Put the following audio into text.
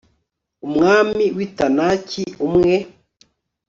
umwami w'i tanaki, umwe